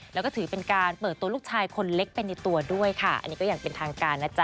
แล้วก็ถือเป็นการเปิดตัวลูกชายคนเล็กเป็นในตัวด้วยนะคะ